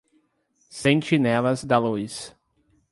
Sentinelas da luz